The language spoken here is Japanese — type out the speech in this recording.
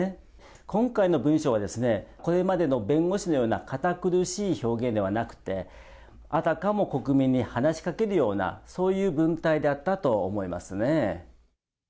今回の文章は、これまでの弁護士のような堅苦しい表現ではなくて、あたかも国民に話しかけるような、そういう文体だったと思いますね。